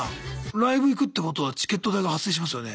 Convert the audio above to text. ライブ行くってことはチケット代が発生しますよね。